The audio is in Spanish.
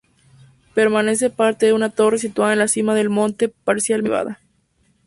Permanece parte de una torre situada en la cima del monte, parcialmente derribada.